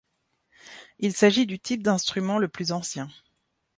Il s'agit du type d'instrument le plus ancien.